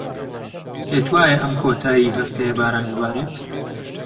پێت وایە ئەم کۆتاییی هەفتەیە باران ببارێت؟